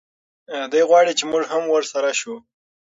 دی غواړي چې موږ هم ورسره شو.